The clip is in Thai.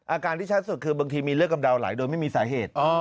อาการที่ชัดสุดคือบางทีมีเลือดกำเดาไหลโดยไม่มีสาเหตุ